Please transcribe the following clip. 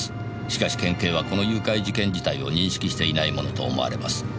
「しかし県警はこの誘拐事件自体を認識していないものと思われます」